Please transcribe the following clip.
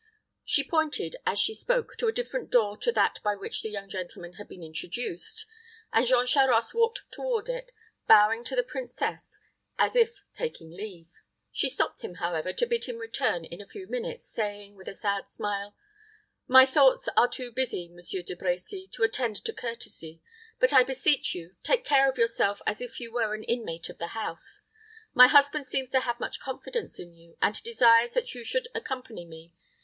She pointed, as she spoke, to a different door to that by which the young gentleman had been introduced, and Jean Charost walked toward it, bowing to the princess, as if taking leave. She stopped him, however, to bid him return in a few minutes, saying, with a sad smile, "My thoughts are too busy, Monsieur De Brecy, to attend to courtesy; but I beseech you, take care of yourself as if you were an inmate of the house. My husband seems to have much confidence in you, and desires that you should accompany me.